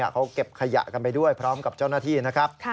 เขาเก็บขยะกันไปด้วยพร้อมกับเจ้าหน้าที่นะครับ